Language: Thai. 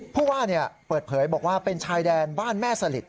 ผู้ว่าเปิดเผยบอกว่าเป็นชายแดนบ้านแม่สลิด